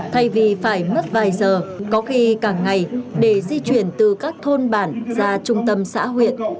thay vì phải mất vài giờ có khi càng ngày để di chuyển từ các thôn bản ra trung tâm xã huyện